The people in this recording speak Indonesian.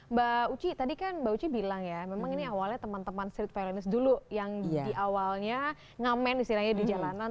mbak uci tadi kan mbak uci bilang ya memang ini awalnya teman teman street violenice dulu yang di awalnya ngamen istilahnya di jalanan